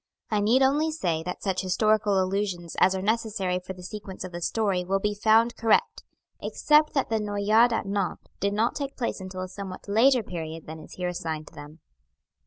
I need only say that such historical allusions as are necessary for the sequence of the story will be found correct, except that the Noyades at Nantes did not take place until a somewhat later period than is here assigned to them.